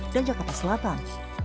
dan jakarta selatan